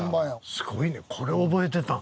すごいねこれ覚えてたん。